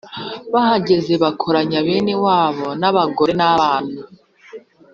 bahageze bakoranya bene wabo n'abagore n'abana,